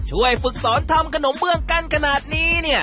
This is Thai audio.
ช่วยฝึกสอนทำกระหนมเบื้องกันขนาดนี้